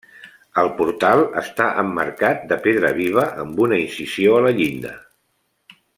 El portal està emmarcat de pedra viva amb una incisió a la llinda.